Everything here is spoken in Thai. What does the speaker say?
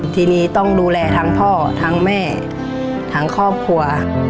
ทีนี้ต้องดูแลทั้งพ่อทั้งแม่ทั้งครอบครัว